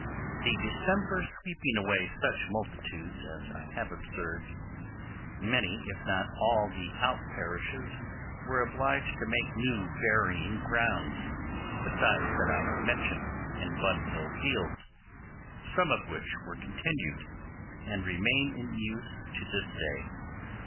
The distemper sweeping away such multitudes, as I have observed, many if not all the out parishes were obliged to make new burying grounds, besides that I have mentioned in Bunhill Fields, some of which were continued, and remain in use to this day.